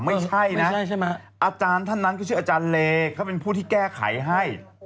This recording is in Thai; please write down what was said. ไม่ใช่นะอาจารย์ท่านนั้นก็ชื่ออาจารย์เลเขาเป็นผู้ที่แก้ไขให้